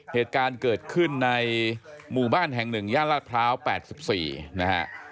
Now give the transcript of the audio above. เหตุการณ์เกิดขึ้นในหมู่บ้านแห่ง๑ย่านลาดพร้าว๘๔นะฮะ